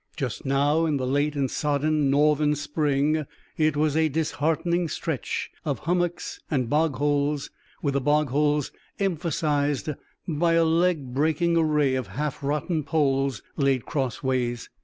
Just now, in the late and sodden northern spring, it was a disheartening stretch of hummocks and bog holes, the bog holes emphasized by a leg breaking array of half rotten poles laid crossways.